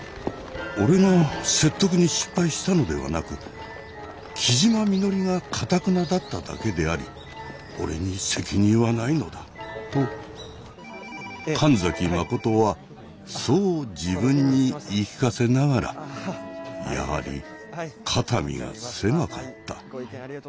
俺が説得に失敗したのではなく木嶋みのりがかたくなだっただけであり俺に責任はないのだと神崎真はそう自分に言い聞かせながらやはり肩身が狭かった。